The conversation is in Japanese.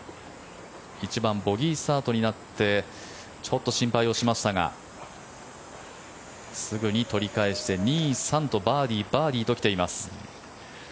１番、ボギースタートになってちょっと心配しましたがすぐに取り返して２、３とバーディー、バーディーと来ています。